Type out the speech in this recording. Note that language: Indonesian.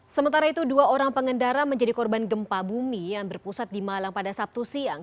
sementara itu dua orang pengendara menjadi korban gempa bumi yang berpusat di malang pada sabtu siang